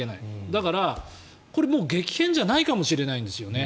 だからこれ、もう激変じゃないかもしれないんですね。